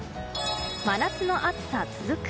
真夏の暑さ続く。